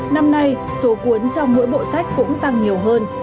năm nay số cuốn trong mỗi bộ sách cũng tăng nhiều hơn